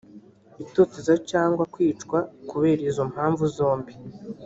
itotezwa cyangwa kwicwa kubera izo mpamvu zombi